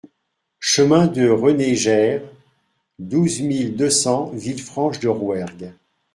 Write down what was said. Chemin de René Jayr, douze mille deux cents Villefranche-de-Rouergue